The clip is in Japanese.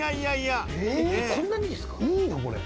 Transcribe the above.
えぇこんなにですか？